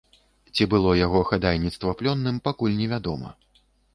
Ці было яго хадайніцтва плённым, пакуль невядома.